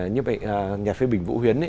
nhà phê bình vũ huyến